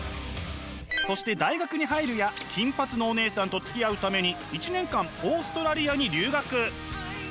そして大学に入るや金髪のおねえさんとつきあうために１年間オーストラリアに留学！